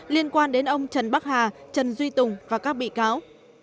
liên quan đến ông trần bắc hà trần duy tùng và các bị cáo